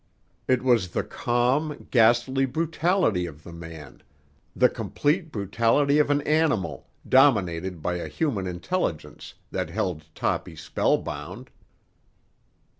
It was the calm, ghastly brutality of the man, the complete brutality of an animal, dominated by a human intelligence, that held Toppy spellbound.